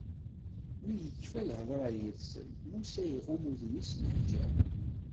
Mi yekfa lhedṛa yid-sen, Musa iɣumm udem-is s leḥǧab.